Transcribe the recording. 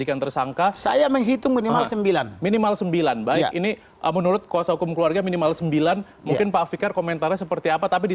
hampir satu bulan kelamaan tidak pak penetapan ini